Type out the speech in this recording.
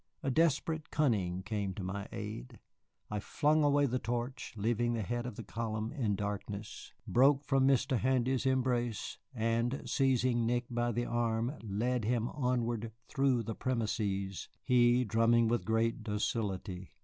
A desperate cunning came to my aid. I flung away the torch, leaving the head of the column in darkness, broke from Mr. Handy's embrace, and, seizing Nick by the arm, led him onward through the premises, he drumming with great docility.